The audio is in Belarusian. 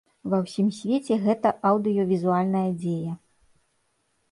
Ва ўсім свеце гэта аўдыёвізуальная дзея.